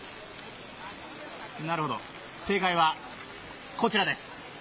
なるほど、正解は、こちらです。